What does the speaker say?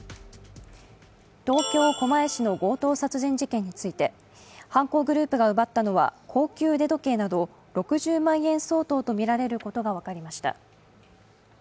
東京・狛江市の強盗殺人事件について犯行グループが奪ったのは高級腕時計など６０万円相当とみられることが分かりました。